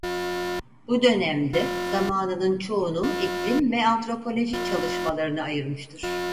Bu dönemde zamanının çoğunu iklim ve antropoloji çalışmalarına ayırmıştır.